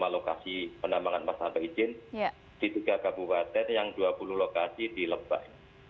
empat puluh lima lokasi penambangan emas tanpa izin di tiga kabupaten yang dua puluh lokasi dilebak